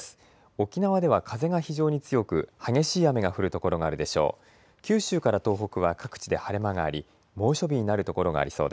沖縄では風が非常に強く激しい雨が降る所があるでしょう。